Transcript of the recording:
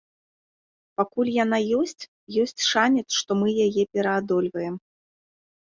Пакуль яна ёсць, ёсць шанец, што мы яе пераадольваем.